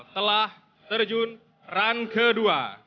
telah terjun run kedua